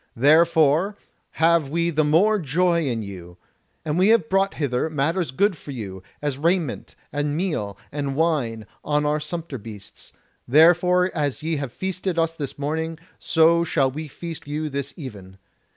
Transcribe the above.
Therefore have we the more joy in you. And we have brought hither matters good for you, as raiment, and meal, and wine, on our sumpter beasts; therefore as ye have feasted us this morning, so shall we feast you this even.